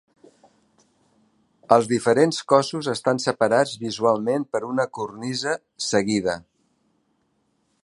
Els diferents cossos estan separats visualment per una cornisa seguida.